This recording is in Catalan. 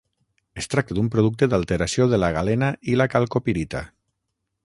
Es tracta d'un producte d'alteració de la galena i la calcopirita.